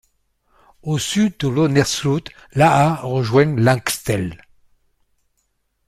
Au sud de Loenersloot, l'Aa rejoint l'Angstel.